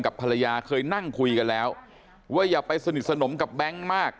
ภรรยาเคยนั่งคุยกันแล้วว่าอย่าไปสนิทสนมกับแบงค์มาก